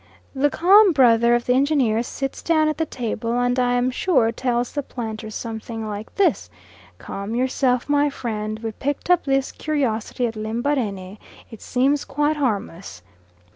The calm brother of the engineer sits down at the table, and I am sure tells the planter something like this: "Calm yourself, my friend, we picked up this curiosity at Lembarene. It seems quite harmless."